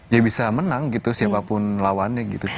ya bisa menang gitu siapapun lawannya gitu sih